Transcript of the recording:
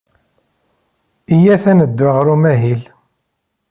Iyyat ad neddu ɣer umahil.